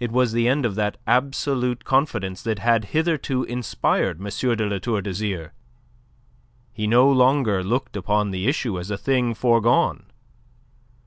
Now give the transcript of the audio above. It was the end of that absolute confidence that had hitherto inspired M. de La Tour d'Azyr. He no longer looked upon the issue as a thing forgone.